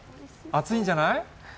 熱いんじゃない？